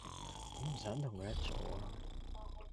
我唔想同佢一組呀